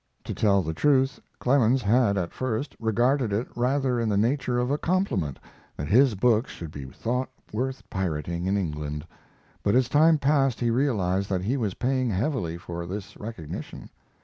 To tell the truth, Clemens had at first regarded it rather in the nature of a compliment that his books should be thought worth pirating in England, but as time passed he realized that he was paying heavily for this recognition.